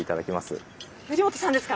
あっ藤本さんですか？